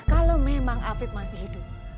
kalau memang afib masih hidup